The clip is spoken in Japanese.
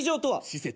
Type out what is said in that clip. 施設。